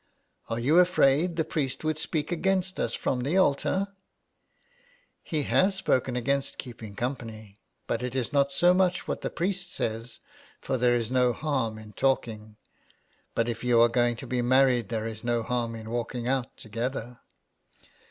" Are you afraid the priest would speak against us from the altar ?"" He has spoken against keeping company, but it is not so much what the priest says, for there is no harm in talking." " But if you are going to be married there is no harm in walking out together."